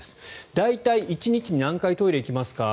大体１日に何回トイレ行きますか？